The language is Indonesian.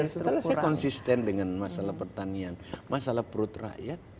saya konsisten dengan masalah pertanian masalah perut rakyat